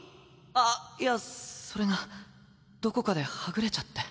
あっいやそれがどこかではぐれちゃって。